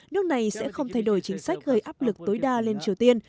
nước này sẽ không thay đổi chính sách gây áp lực tối đa lên triều tiên